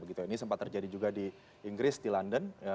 ini sempat terjadi juga di inggris di london